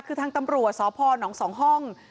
คือทางตำรวจสพหนองสองห้อง